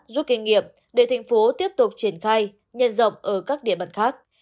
rút kinh nghiệm để tp hcm tiếp tục triển khai nhận rộng ở các địa mặt khác